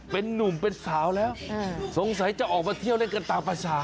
เป็นนุ่มเป็นสาวแล้วสงสัยจะออกมาเที่ยวเล่นกันตามภาษา